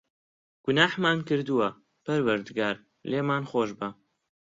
گوناحمان کردووە، پەروەردگار، لێمان خۆشبە.